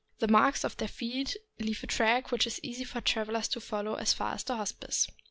The marks of their feet leave a track which is easy for travelers to fol low as far as the Hospice.